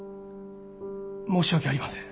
申し訳ありません。